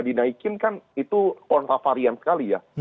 dinaikin kan itu kontravarian sekali ya